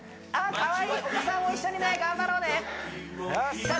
かわいいお子さんも一緒に頑張ろうねさあ